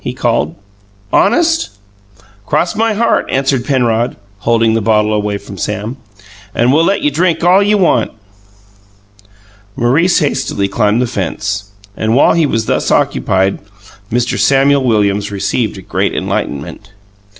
he called. "Honest?" "Cross my heart!" answered Penrod, holding the bottle away from Sam. "And we'll let you drink all you want." Maurice hastily climbed the fence, and while he was thus occupied Mr. Samuel Williams received a great enlightenment.